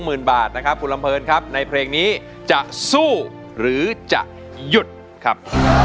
หมื่นบาทนะครับคุณลำเพลินครับในเพลงนี้จะสู้หรือจะหยุดครับ